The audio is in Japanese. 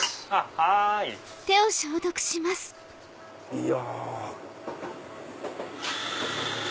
いや。